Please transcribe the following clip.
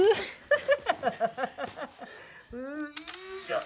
いいじゃん。